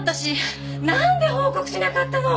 なんで報告しなかったの！？